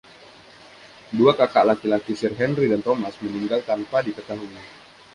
Dua kakak laki-laki, Sir Henry dan Thomas, meninggal tanpa diketahui.